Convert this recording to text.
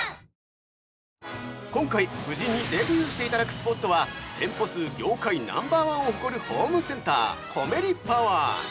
◆今回、夫人にデビューしていただくスポットは店舗数業界ナンバー１を誇るホームセンターコメリパワー。